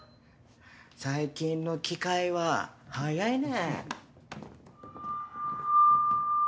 最近の機械は早いね。